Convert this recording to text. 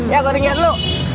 ya gua tinggal dulu